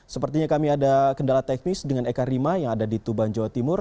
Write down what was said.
sepertinya kami ada kendala teknis dengan eka rima yang ada di tuban jawa timur